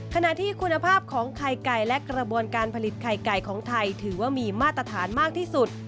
ขณะที่คุณภาพของไข่ไก่และกระบวนการผลิตไข่ไก่ของไทยถือว่ามีมาตรฐานมากที่สุด